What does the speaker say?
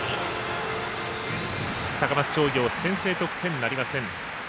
高松商業、先制得点なりません。